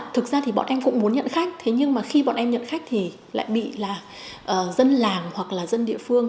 thực ra thì bọn em cũng muốn nhận khách thế nhưng mà khi bọn em nhận khách thì lại bị là dân làng hoặc là dân địa phương